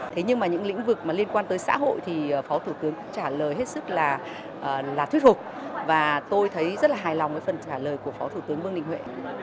thế nhưng mà những lĩnh vực mà liên quan tới xã hội thì phó thủ tướng cũng trả lời hết sức là thuyết phục và tôi thấy rất là hài lòng với phần trả lời của phó thủ tướng vương đình huệ